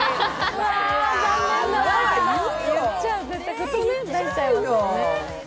ふと出ちゃいますよね。